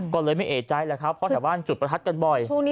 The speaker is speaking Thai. ก็เลยไม่เอกใจแหละครับเพราะแถวบ้านจุดประทัดกันบ่อย